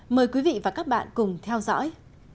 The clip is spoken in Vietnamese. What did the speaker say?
mời quý vị và các bạn cùng theo dõi